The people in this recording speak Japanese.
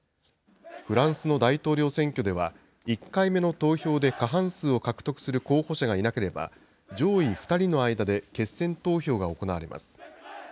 フランスの大統領選挙では、１回目の投票で過半数を獲得する候補者がいなければ、上位２人の間で決選投票が行われます。